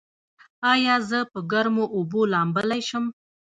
ایا زه په ګرمو اوبو لامبلی شم؟